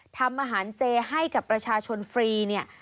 ทำอาหารเจให้กับประชาชนฟรีเนี่ย